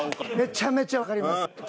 めちゃめちゃわかります。